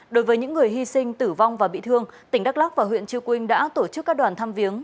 đối với những người hy sinh tử vong và bị thương tỉnh đắk lắc và huyện chư quynh đã tổ chức các đoàn thăm viếng